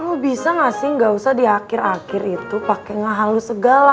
lo bisa gak sih gak usah di akhir akhir itu pake ngehalus segala